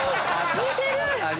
似てる！